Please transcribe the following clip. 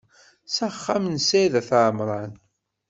S axxam n Sɛid At Ɛemran.